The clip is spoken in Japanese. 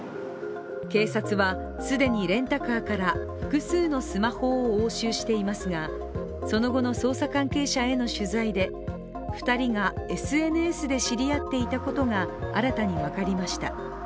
警察は既にレンタカーから複数のスマホを押収していますがその後の捜査関係者への取材で２人がＳＮＳで知り合っていたことが新たに分かりました。